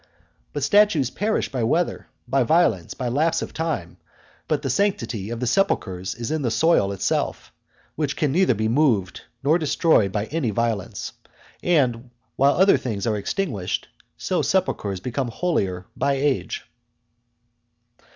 But statues perish by weather, by violence, by lapse of time; but the sanctity of the sepulchres is in the soil itself, which can neither be moved nor destroyed by any violence; and while other things are extinguished, so sepulchres become holier by age.